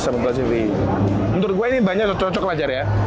menurut gue ini banyak cocok cocok lah jar ya